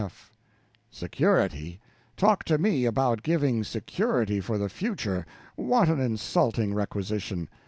F. Security! talk to me about giving security for the future what an insulting requisition!